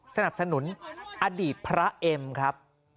สนับสนุนอดีตพระเอ็มครับ